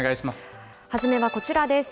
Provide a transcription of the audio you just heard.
初めはこちらです。